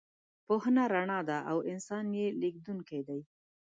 پوهه رڼا ده او انسان یې لېږدونکی دی.